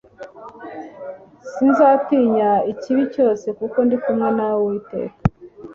Sinzatinya ikibi cyose kuko ndikumwe nuwiteka